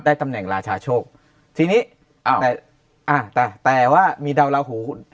ได้ตำแหน่งราชาโชคทีนี้อ้าวแต่ว่ามีดาวลาหู